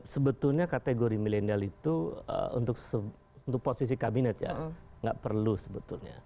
sebetulnya kategori milenial itu untuk posisi kabinet ya nggak perlu sebetulnya